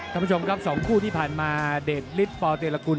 ท่านผู้ชมครับ๒คู่ที่ผ่านมาเดชฤทธิ์ป่าเตรียรกุล